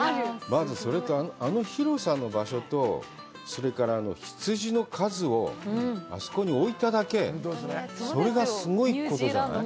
まずそれと、あの広さの場所と、それから、あの羊の数をあそこに置いただけ、それがすごいことじゃない？